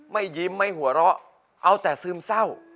ไม่ยิ้มไม่หัวเราะเอาแต่ซึมเศร้า